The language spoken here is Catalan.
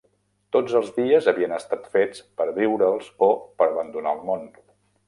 Tots els dies havien estat fets per viure'ls o per abandonar el món.